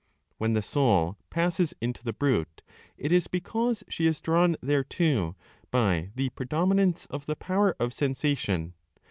When the soul passes into the brute, it is because she is drawn thereto by the predominance of the power of sensation.